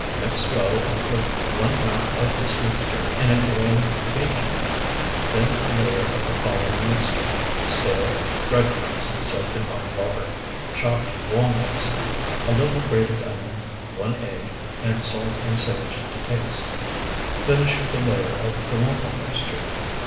Mix well and put one half of this mixture in an oiled baking pan, then a layer of the following mixture: Stale bread crumbs soaked in hot water, chopped walnuts, a little grated onion, one egg, and salt and sage to taste. Finish with a layer of the lentil mixture.